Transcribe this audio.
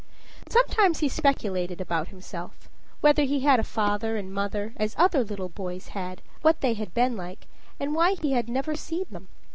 Sometimes he speculated about himself, whether he had had a father and mother as other little boys had what they had been like, and why he had never seen them.